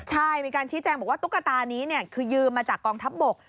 ใช่มีการชี้แจงบอกว่าตุ๊กตานี้คือยืมมาจากกองทัพบก